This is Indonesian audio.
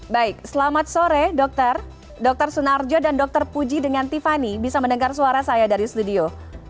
baik selamat sore dokter dokter sunarjo dan dr puji dengan tiffany bisa mendengar suara saya dari studio